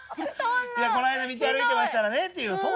こないだ道歩いてましたらねっていう。